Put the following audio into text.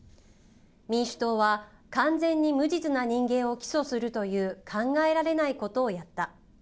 民主党は完全に無実な人間を起訴するという考えられないことをやった。